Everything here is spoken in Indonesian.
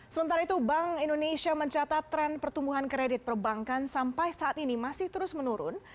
sementara itu bank indonesia mencatat tren pertumbuhan kredit perbankan sampai saat ini masih terus menurun